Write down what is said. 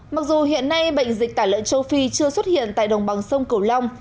mặc dù hiện nay bệnh dịch tả lợn châu phi chưa xuất hiện tại đồng bằng sông cửu long